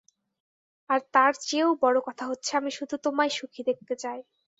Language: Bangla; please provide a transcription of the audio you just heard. আর তার চেয়েও বড়ো কথা হচ্ছে, আমি শুধু তোমায় সুখী দেখতে চাই।